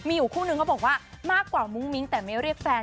มีอยู่คู่นึงเขาบอกว่ามากกว่ามุ้งมิ้งแต่ไม่เรียกแฟน